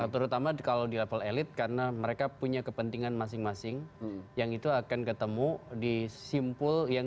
terutama kalau di level elit karena mereka punya kepentingan masing masing yang itu akan ketemu di simpul yang